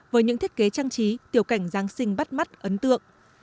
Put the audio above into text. với những thiết kế trang trí tiểu cảnh giáng sinh bắt mắt ấn tượng